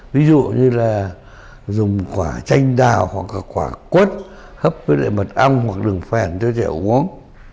ví dụ như là dùng quả chanh đào hoặc là quả quất hấp với lại mật ong hoặc đường phèn cho trẻ uống